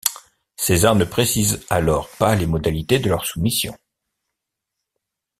César ne précise alors pas les modalités de leur soumission.